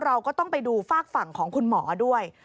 เราก็ต้องไปดูฝากฝั่งของคุณหมอด้วย